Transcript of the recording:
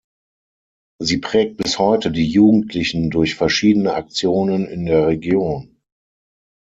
Sie prägt bis heute die Jugendlichen durch verschiedene Aktionen in der Region.